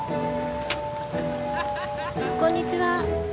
こんにちは。